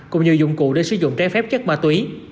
cùng nhiều dụng cụ để sử dụng trái phép chất ma túy